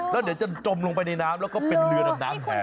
แล้วเดี๋ยวจะจมลงไปในน้ำแล้วก็เป็นเรือดำน้ำแทน